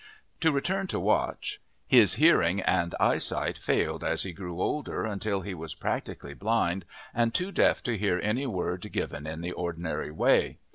To return to Watch. His hearing and eyesight failed as he grew older until he was practically blind and too deaf to hear any word given in the ordinary way.